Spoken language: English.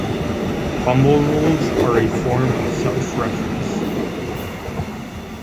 Fumblerules are a form of self-reference.